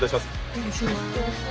お願いします。